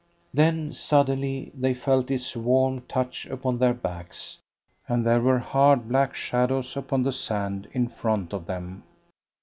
Then, suddenly, they felt its warm touch upon their backs, and there were hard black shadows upon the sand in front of them.